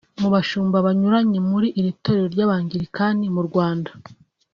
mu bashumba banyuranye muri iri torero ry’Abangilikani mu Rwanda